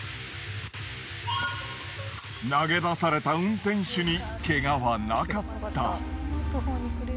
投げ出された運転手に怪我はなかった。